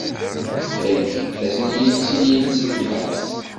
Ttxil-k, azen-iyi-tt-id s lfaks.